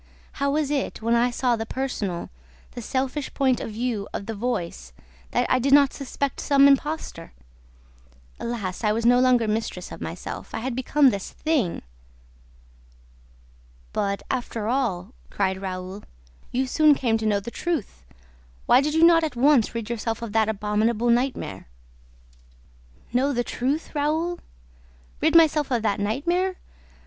How was it, when I saw the personal, the selfish point of view of the voice, that I did not suspect some impostor? Alas, I was no longer mistress of myself: I had become his thing!" "But, after all," cried Raoul, "you soon came to know the truth! Why did you not at once rid yourself of that abominable nightmare?" "Know the truth, Raoul? Rid myself of that nightmare?